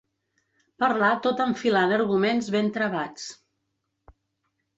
Parlar tot enfilant arguments ben travats.